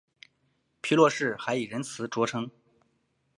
皮洛士还以仁慈着称。